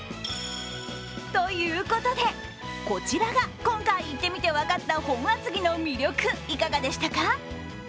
ということで、こちらが今回行ってみて分かった本厚木の魅力いかがでしたか？